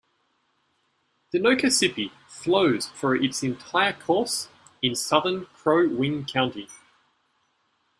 The Nokasippi flows for its entire course in southern Crow Wing County.